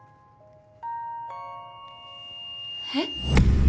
えっ？